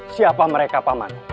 siapa mereka paman